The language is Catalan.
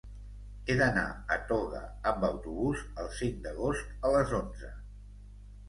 He d'anar a Toga amb autobús el cinc d'agost a les onze.